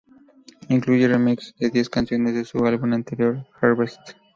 Incluye remixes de diez canciones de su álbum anterior, Harvest.